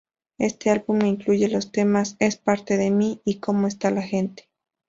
Este álbum incluye los temas "Es parte de mí" y "Cómo está la gente".